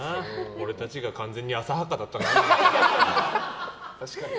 俺たちが完全に浅はかだったな。